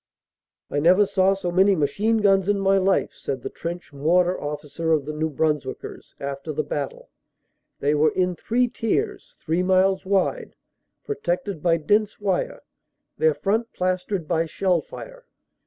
"I never saw so many machine guns in my life," said the Trench Mortar Officer of the New Brunswickers after the battle. "They were in three tiers, three miles wide, protected by dense wire, their front plastered by shell fire.